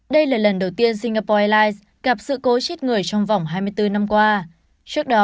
đây là lần đầu tiên singapore airlines gặp sự cố chết người trong vòng hai mươi bốn năm qua trước đó